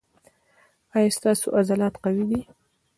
ایا ستاسو عضلات قوي دي؟